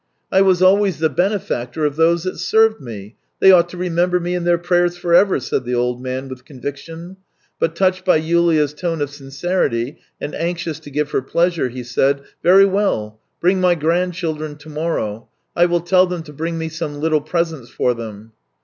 " I was always the benefactor of those that served me; they ought to remember me in their pravers for ever," said the old man, with con viction, but touched by Yulia's tone of sincerity, and anxious to give her pleasure, he said: " Very well; bring my grandchildren to morrow. I will tell them to buy me some little presents for them."